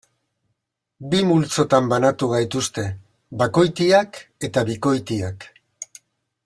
Bi multzotan banatu gaituzte: bakoitiak eta bikoitiak.